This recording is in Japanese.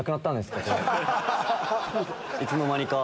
いつの間にか。